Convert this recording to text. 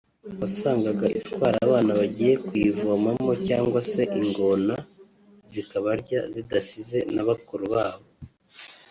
wasangaga itwara abana bagiye kuyivomamo cyangwa se ingona zikabarya zidasize na bakuru babo